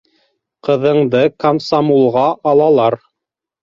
Ҡыҙыңды камсамулға алалар.